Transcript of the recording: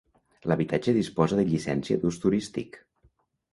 L'habitatge disposa de llicència d'ús turístic.